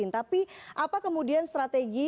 tapi apa kemudian strategi